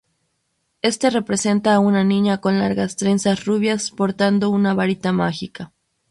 Éste representa a una niña con largas trenzas rubias portando una varita mágica.